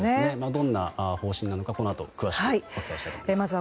どんな方針なのかこのあと詳しくお伝えします。